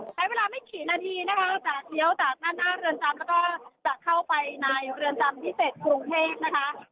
ใช้เวลาไม่กี่นาทีนะคะจะเลี้ยวจากด้านหน้าเรือนจำแล้วก็จะเข้าไปในเรือนจำพิเศษกรุงเทพนะคะ